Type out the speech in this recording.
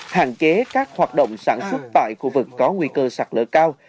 hạn chế các hoạt động sản xuất tại khu vực có nguy cơ sạc lỡ cao